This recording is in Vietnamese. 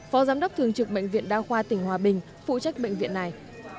phó giám đốc thường trực bệnh viện đa khoa tỉnh hòa bình phụ trách bệnh viện này